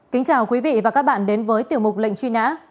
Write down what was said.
kính chào quý vị và các bạn đến với tiểu mục lệnh truy nã